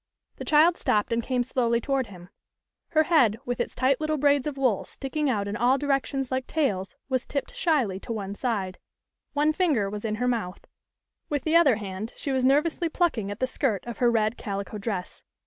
The child stopped and came slowly toward him. Her head, with its tight little braids of wool sticking out in all direc tions like tails, was tipped shyly to one side. One THE END OF THE SUMMER. 23 finger was in her mouth. With the other hand she was nervously plucking at the skirt of her red calico dress.